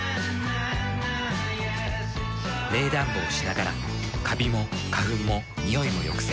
冷暖房しながらカビも花粉もニオイも抑制。